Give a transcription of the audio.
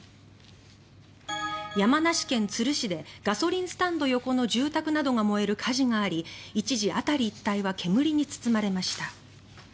山梨県都留市でガソリンスタンド横の住宅などが燃える火事があり一時、辺り一帯は煙に包まれました。